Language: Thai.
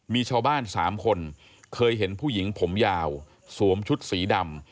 มีชาวบ้าน๓คนเคยเห็นผู้หญิงผมยาวสวมชุดสีดำ